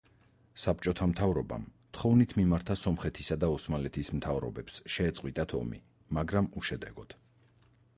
საბჭოთა მთავრობამ თხოვნით მიმართა სომხეთისა და ოსმალეთის მთავრობებს შეეწყვიტათ ომი, მაგრამ უშედეგოდ.